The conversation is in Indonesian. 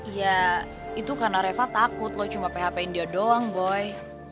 iya itu karena reva takut lo cuma php in dia doang boy